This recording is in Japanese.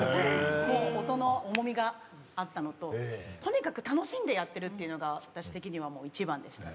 音の重みがあったのととにかく楽しんでやってるっていうのが私的にはもう１番でしたね。